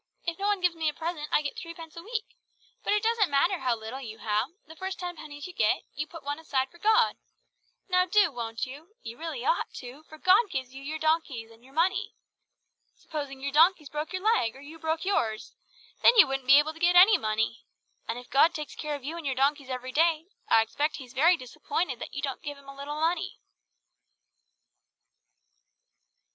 If no one gives me a present I get threepence a week, but it doesn't matter how little you have, the first ten pennies you get, you put one aside for God. Now do, won't you? You really ought to, for God gives you your donkeys and your money. Supposing if your donkeys broke their legs, or you broke yours! Then you wouldn't be able to get any money. And if God takes care of you and your donkeys every day, I expect He's very disappointed that you don't give Him a little money!"